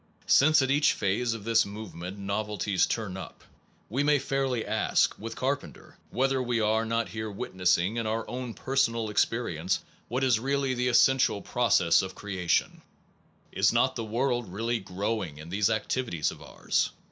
Since at each phase cf this move ment novelties turn up, we may fairly ask, with Carpenter, whether we are not here witnessing in our own personal experience what is really 1 The Art of Creation, 1894, chap. i. 214 NOVELTY AND CAUSATION the essential process of creation. Is not the world really growing in these activities of ours?